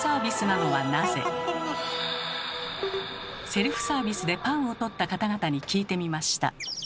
セルフサービスでパンを取った方々に聞いてみました。